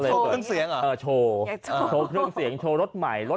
เดี๋ยวผมดาวนะว่ากลบลดใหม่